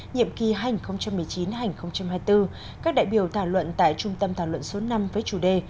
nhiệm kỳ hai nghìn một mươi chín hai nghìn hai mươi bốn các đại biểu thảo luận tại trung tâm thảo luận số năm với chủ đề